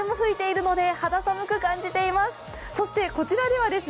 そして、風も吹いているので肌寒く感じます。